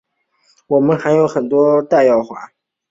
我们还有很多贷款要还